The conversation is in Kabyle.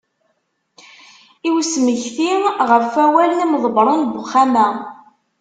I usmekti, ɣef wawal n yimḍebbren n Uxxam-a.